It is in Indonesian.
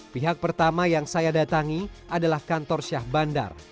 pihak pertama yang saya datangi adalah kantor syah bandar